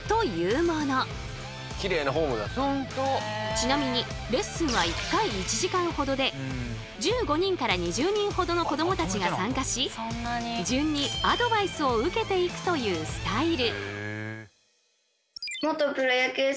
ちなみにレッスンは１回１時間ほどで１５人から２０人ほどの子どもたちが参加し順にアドバイスを受けていくというスタイル。